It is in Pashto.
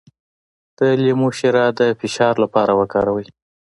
د لیمو شیره د فشار لپاره وکاروئ